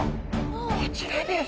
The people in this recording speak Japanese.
こちらです。